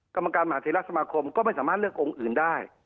กรรมการมหาเทราสมาคมก็ไม่สามารถเลือกองค์อื่นได้